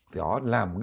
thì nó làm